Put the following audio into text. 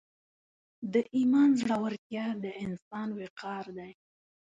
د ایمان زړورتیا د انسان وقار دی.